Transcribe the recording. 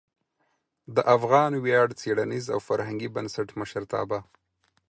د افغان ویاړ څیړنیز او فرهنګي بنسټ مشرتابه